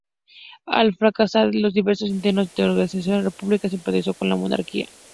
Al ver fracasar los diversos intentos de organización republicana simpatizó con la monarquía.